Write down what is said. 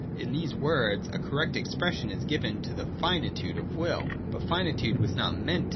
In these words, a correct expression is given to the finitude of Will. But finitude was not meant to.